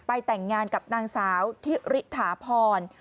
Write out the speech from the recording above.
แต่งงานกับนางสาวทิริถาพร